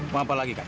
mau apa lagi kak